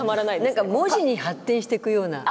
何か文字に発展していくような。